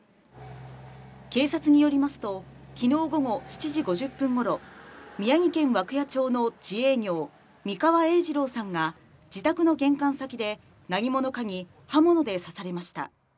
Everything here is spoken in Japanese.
警察によりますと昨日午後７時５０分頃、宮城県涌谷町の自営業・三川栄治朗さんが自宅の玄関先で何者かに刃物で刺されました。